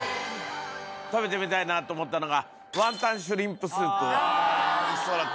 袋入り、食べてみたいなと思ったのが、おいしそうだった。